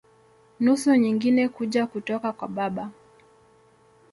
Nusu nyingine kuja kutoka kwa baba.